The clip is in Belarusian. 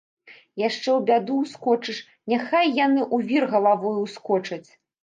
Яшчэ ў бяду ўскочыш, няхай яны ў вір галавою ўскочаць.